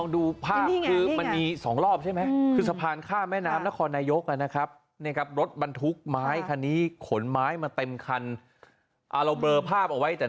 ห้าสองรอบใช่มั้ยบรดบรรทุกไม้คณิดขนไม้มาเต็มคันอ่ะเราเบอร์ภาพเอาไว้จะ